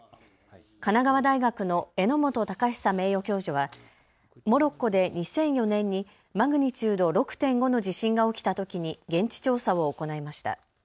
神奈川大学の荏本孝久名誉教授はモロッコで２００４年にマグニチュード６．５の地震が起きたときに現地調査を行いました。